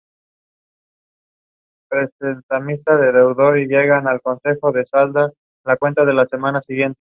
En esta canción, el vocalista de la banda Ryan Key toca el bajo.